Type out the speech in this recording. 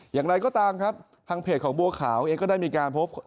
อย่างไรก็ตามครับทางเพจของบัวขาวเองก็ได้มีการพบ